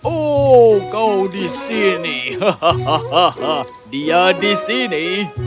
oh kau di sini dia di sini